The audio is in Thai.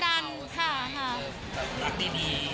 รักดี